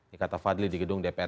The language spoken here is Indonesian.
ini kata fadli di gedung dpr ri